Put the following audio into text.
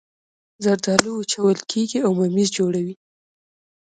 زردالو وچول کیږي او ممیز جوړوي